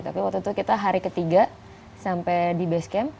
tapi waktu itu kita hari ketiga sampai di base camp